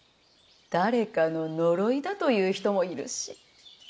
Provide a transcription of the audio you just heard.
誰かの呪いだと言う人もいるし。